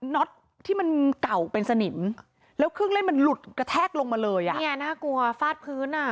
นี่น่ากลัวฟาดพื้น